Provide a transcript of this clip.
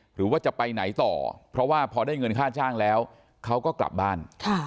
หรือว่าจะไปไหนต่อเพราะว่าพอได้เงินค่าจ้างแล้วเขาก็กลับบ้าน